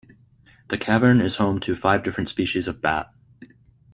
The cavern is home to five different species of bat.